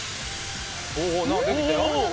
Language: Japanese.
おお何か出てきたよ。